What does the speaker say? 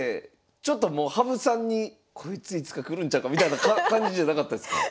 ちょっともう羽生さんにこいついつかくるんちゃうかみたいな感じじゃなかったですか？